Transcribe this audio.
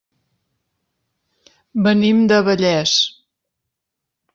Venim de Vallés.